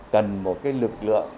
cần một lực lượng